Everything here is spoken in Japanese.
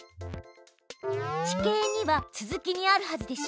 地形２は続きにあるはずでしょ。